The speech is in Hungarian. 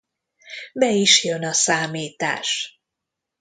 Be is jön a számítás.